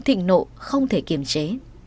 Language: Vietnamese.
thịnh nộ không thể kiềm chế